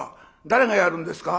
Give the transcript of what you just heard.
誰がやるんですか？」。